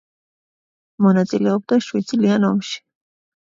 მონაწილეობდა შვიდწლიან ომში.